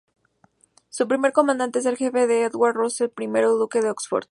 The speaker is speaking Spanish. Su primer comandante en jefe fue Edward Russell I duque de Oxford.